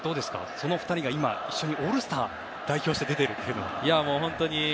その２人が今オールスターに代表して出ているというのは。